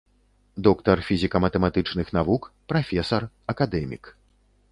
Доктар фізіка-матэматычных навук, прафесар, акадэмік.